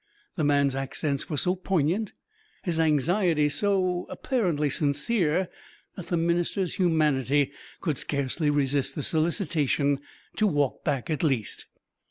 The man's accents were so poignant, his anxiety was so apparently sincere, that the minister's humanity could scarcely resist the solicitation to walk back at least.